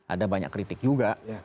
ada banyak kritik juga